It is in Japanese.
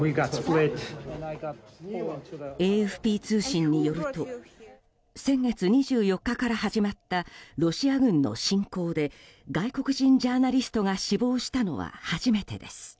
ＡＦＰ通信によると先月２４日から始まったロシア軍の侵攻で外国人ジャーナリストが死亡したのは初めてです。